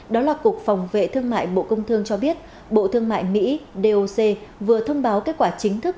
đó là cục phòng vệ thương mại bộ công thương cho biết bộ thương mại mỹ doc vừa thông báo kết quả chính thức